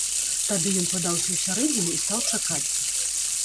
Тады ён падаўся ў сярэдзіну і стаў чакаць.